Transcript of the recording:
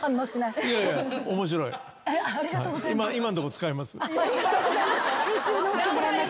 ありがとうございます